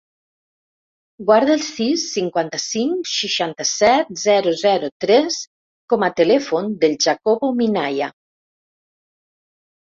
Guarda el sis, cinquanta-cinc, seixanta-set, zero, zero, tres com a telèfon del Jacobo Minaya.